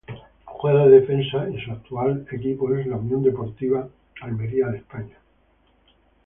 Juega de defensa y su actual equipo es el Unión Deportiva Almería de España.